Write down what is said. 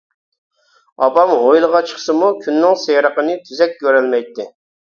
ئاپام ھويلىغا چىقسىمۇ كۈننىڭ سېرىقىنى تۈزۈك كۆرەلمەيتتى.